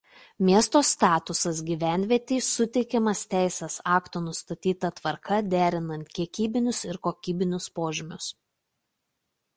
Miesto statusas gyvenvietei suteikiamas teisės aktų nustatyta tvarka derinant kiekybinius ir kokybinius požymius.